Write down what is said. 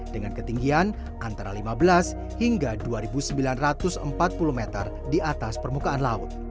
dengan ketinggian antara lima belas hingga dua sembilan ratus empat puluh meter di atas permukaan laut